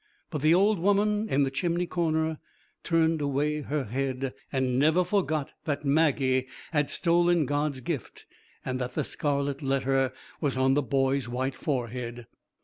But the old woman in the chimney corner turned away her head; and never forgot that Maggie had stolen God's gift, and that the scarlet letter was on the boy's white forehead.